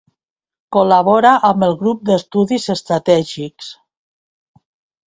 Col·labora amb el Grup d'Estudis Estratègics.